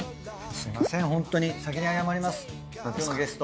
すみません。